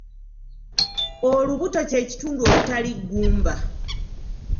Olubuto kye kitundu okutali ggumba.